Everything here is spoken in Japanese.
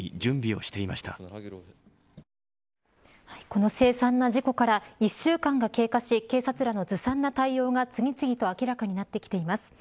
この凄惨な事故から１週間が経過し警察らのずさんな対応が次々と明らかになってきています。